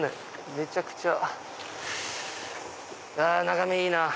めちゃくちゃあ眺めいいな！